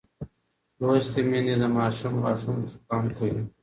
لوستې میندې د ماشوم غاښونو ته پام کوي.